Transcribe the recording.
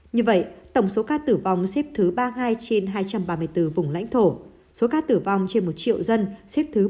như vậy tổng số ca tử vong xếp thứ ba mươi hai trên hai trăm ba mươi bốn vùng lãnh thổ số ca tử vong trên một triệu dân xếp thứ một trăm ba mươi hai